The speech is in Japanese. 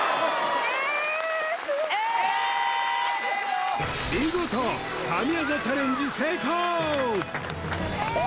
えすごい見事神業チャレンジ成功！